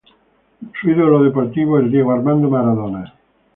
Su ídolo deportivo es Diego Armando Maradona.